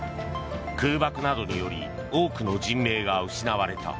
空爆などにより多くの人命が失われた。